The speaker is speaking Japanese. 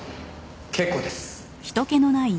結構です。